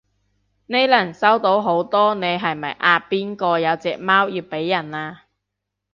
呢輪收到好多你係咪阿邊個有隻貓要俾人啊？